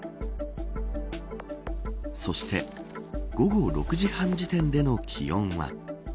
そして午後６時半時点での気温は。